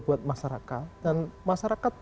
buat masyarakat dan masyarakat